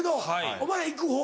お前ら行くほう？